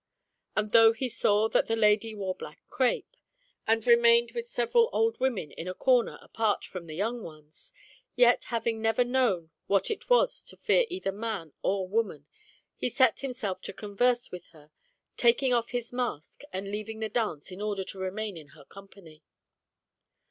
And though he saw that the lady wore black crape, and re mained with several old women in a corner apart from the young ones, yet, having never known what it was to fear either man or woman, he set himself to converse with her, taking off his mask, and leaving the dance in order to remain in her company.